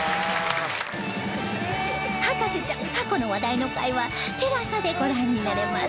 『博士ちゃん』過去の話題の回は ＴＥＬＡＳＡ でご覧になれます